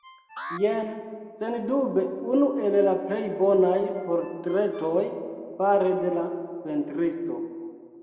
Jen sendube unu el la plej bonaj portretoj fare de la pentristo.